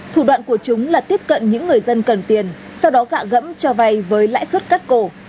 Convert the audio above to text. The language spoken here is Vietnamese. thủ đoạn của chúng là tiếp cận những người dân cần tiền sau đó gạ gẫm cho vay với lãi suất cắt cổ